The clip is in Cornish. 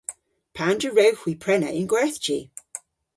Pandr'a wrewgh hwi prena y'n gwerthji?